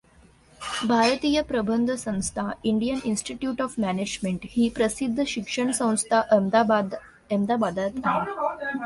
भारतीय प्रबंध संस्था इंडियन इन्स्टिट्यूट ऑफ मॅनेजमेन्ट ही प्रसिद्ध शिक्षणसंस्था अहमदाबादेत आहे.